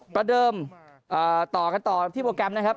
ประเดิมต่อกันต่อที่โปรแกรมนะครับ